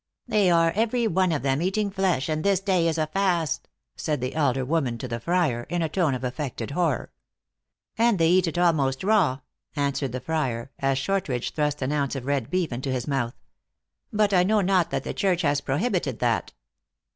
"They are, every one of them, eating flesh, and this day is a fast," said the elder woman to the friar, in a tone of affected horror. " And they eat it almost raw," answered the friar, as Shortridge thrust an ounce of red beef into his mouth. " But I know not that the Church has pro hibited that."